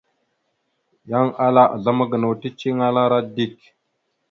Yan ala azlam gənaw ticeliŋalara dik.